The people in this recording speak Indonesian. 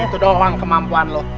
ini doang kemampuan lo